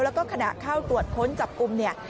แล้วก็ขณะเข้าตรวจค้นจับกลุ่มเนี่ย